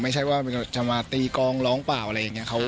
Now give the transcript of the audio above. ไม่ใช่ว่าจะมาตีกองร้องเปล่าอะไรอย่างนี้